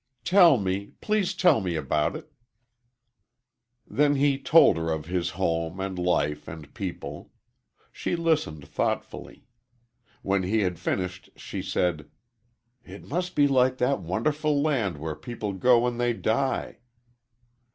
"Tell me please tell me about it." Then he told her of his home and life and people. She listened thoughtfully. When he had finished she said, "It must be like that wonderful land where people go when they die."